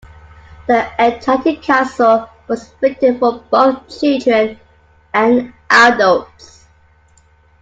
"The Enchanted Castle" was written for both children and adults.